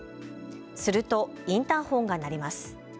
すると、インターホンが鳴ります。